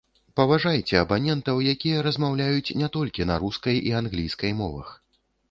Паважайце абанентаў, якія размаўляюць не толькі на рускай і англійскай мовах.